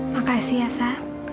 makasih ya sal